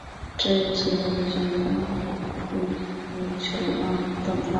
只有存在类似于柯西不等式的线性相关关系时才会取得等号。